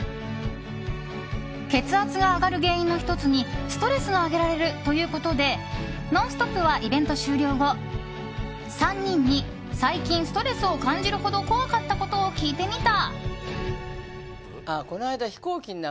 血圧が上がる原因の１つにストレスが挙げられるということで「ノンストップ！」はイベント終了後３人に最近ストレスを感じるほど怖かったことを聞いてみた。